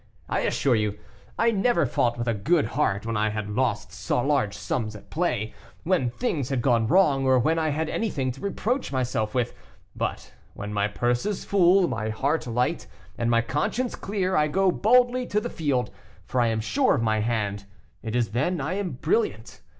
I assure you I never fought with a good heart when I had lost large sums at play, when things had gone wrong, or when I had anything to reproach myself with; but when my purse is full, my heart light, and my conscience clear, I go boldly to the field, for I am sure of my hand; it is then I am brilliant.